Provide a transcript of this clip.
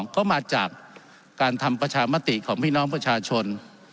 ก็มาจากการทำประชามติของพี่น้องประชาชน